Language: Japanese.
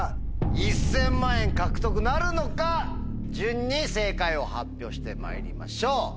１０００万円獲得なるのか順に正解を発表してまいりましょう。